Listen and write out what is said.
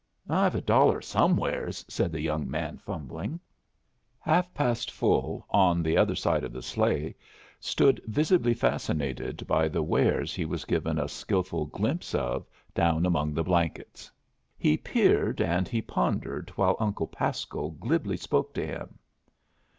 "I've a dollar somewheres," said the young man, fumbling. Half past Full, on the other side of the sleigh, stood visibly fascinated by the wares he was given a skilful glimpse of down among the blankets. He peered and he pondered while Uncle Pasco glibly spoke to him.